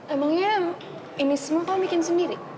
emang iya ini semua kamu bikin sendiri